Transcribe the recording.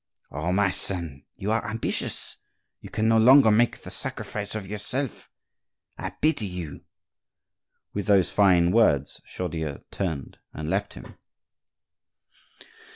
"Oh! my son; you are ambitious, you can no longer make the sacrifice of yourself!—I pity you!" With those fine words Chaudieu turned and left him.